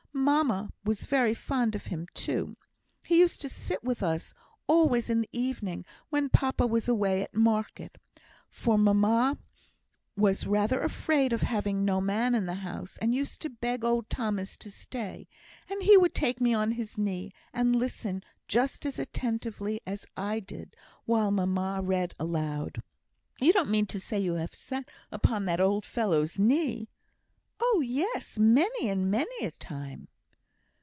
Mamma was very fond of him too. He used to sit with us always in the evenings when papa was away at market, for mamma was rather afraid of having no man in the house, and used to beg old Thomas to stay; and he would take me on his knee, and listen just as attentively as I did while mamma read aloud." "You don't mean to say you have sat upon that old fellow's knee?" "Oh, yes! many and many a time."